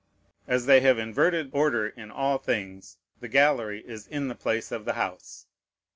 As they have inverted order in all things, the gallery is in the place of the house.